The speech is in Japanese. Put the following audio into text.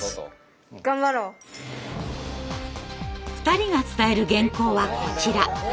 ２人が伝える原稿はこちら。